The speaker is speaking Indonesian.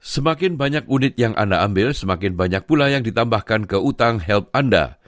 semakin banyak unit yang anda ambil semakin banyak pula yang ditambahkan ke utang help anda